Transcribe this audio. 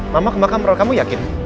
mamah ke makam roy kamu yakin